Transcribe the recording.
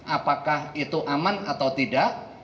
apakah itu aman atau tidak